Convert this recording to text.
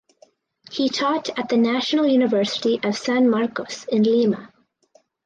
He taught at the National University of San Marcos in Lima.